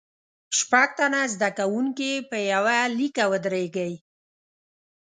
شپږ تنه زده کوونکي په یوه لیکه ودریږئ.